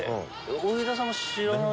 上田さんも知らない。